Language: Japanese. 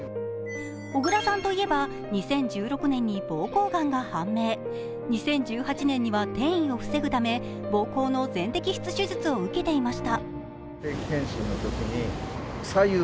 小倉さんといえば、２０１６年に膀胱がんが判明、２０１８年には転移を防ぐため膀胱の全摘出手術を受けていました。